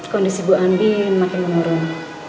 kondisi bu amin makin menurun